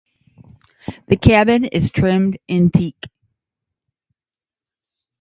The cabin is trimmed in teak.